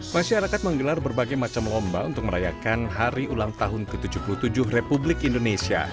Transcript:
masyarakat menggelar berbagai macam lomba untuk merayakan hari ulang tahun ke tujuh puluh tujuh republik indonesia